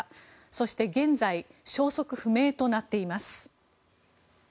そして、現在消息不明となっています。